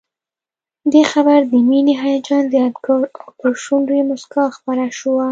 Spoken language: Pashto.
دې خبر د مينې هيجان زيات کړ او پر شونډو يې مسکا خپره شوه